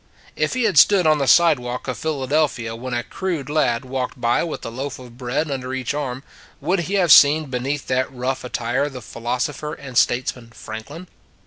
If he had stood on the sidewalk of Phila delphia when a crude lad walked by with a loaf of bread under each arm, would he have seen beneath that rough attire the philosopher and statesman Franklin?